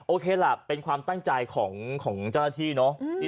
โอเคล่ะเป็นความตั้งใจของเจ้าหน้าที่เนอะ